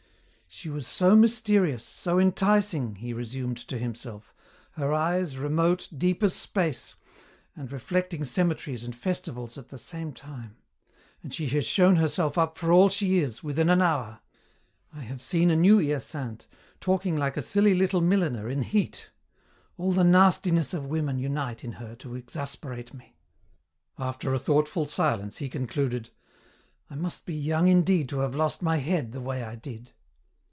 "She was so mysterious, so enticing," he resumed to himself. "Her eyes, remote, deep as space, and reflecting cemeteries and festivals at the same time. And she has shown herself up for all she is, within an hour. I have seen a new Hyacinthe, talking like a silly little milliner in heat. All the nastinesses of women unite in her to exasperate me." After a thoughtful silence he concluded, "I must be young indeed to have lost my head the way I did."